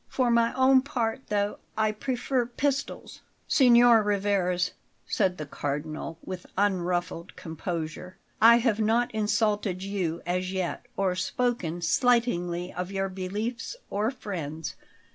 For my own part, though, I prefer pistols." "Signor Rivarez," said the Cardinal with unruffled composure, "I have not insulted you as yet, or spoken slightingly of your beliefs or friends.